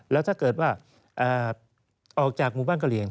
แล้วถ้าเกิดว่าออกจากหมู่บ้านกะเหลี่ยง